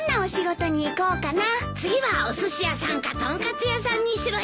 次はおすし屋さんかとんかつ屋さんにしろよ。